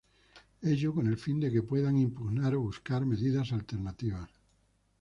Ello con el fín de que puedan impugnar o buscar medidas alternativas.